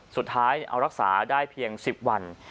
สุดท้ายเอารักษาได้เพียง๑๐วัน